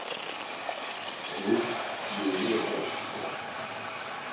Egun, mundu osoan bizi da.